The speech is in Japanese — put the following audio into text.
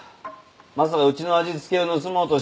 まさかうちの味付けを盗もうとして。